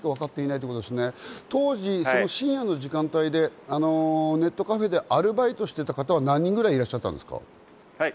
当時、深夜の時間帯でネットカフェでアルバイトしていた方は何人くらい、いらっしゃったんですか？